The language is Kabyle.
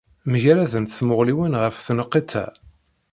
Mgaradent tmuɣliwin ɣef tneqqiṭ-a.